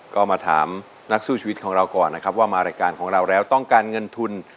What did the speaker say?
ก็มาถามนักสู้ชีวิตของเราก่อนนะครับว่ามารายการของเราแล้วต้องการเงินทุน